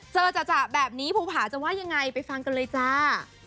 จ่ะแบบนี้ภูผาจะว่ายังไงไปฟังกันเลยจ้า